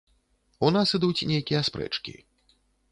У нас ідуць нейкія спрэчкі.